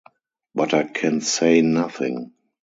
But I can say nothing.